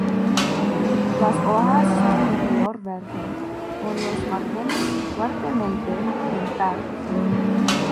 Las hojas son de color verde con los márgenes fuertemente dentados.